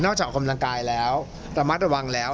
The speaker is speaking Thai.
ออกจากออกกำลังกายแล้วระมัดระวังแล้ว